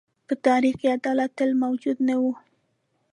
په تاریخ کې عدالت تل موجود نه و.